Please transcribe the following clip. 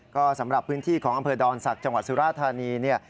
ก็สำหรับพื้นที่ของอำเภอดอนศักดิ์จังหวัดสุราธานีเนี่ย